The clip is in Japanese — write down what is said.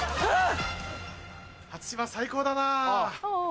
・初島最高だな・あぁ。